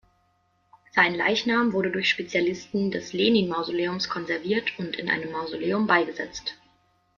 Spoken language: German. Sein Leichnam wurde durch Spezialisten des Lenin-Mausoleums konserviert und in einem Mausoleum beigesetzt.